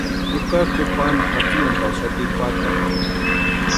Jukari kupanta jatsinhantaxati juatarhu.